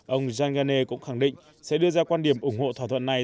ông jan gane cũng khẳng định sẽ đưa ra quan điểm ủng hộ thỏa thuận này